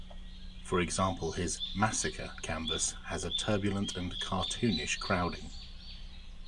For example, his "Massacre" canvas has a turbulent and cartoonish crowding.